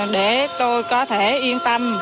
để tôi có thể yên tâm